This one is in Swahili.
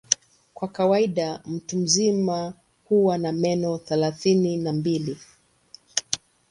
Kwa kawaida mtu mzima huwa na meno thelathini na mbili.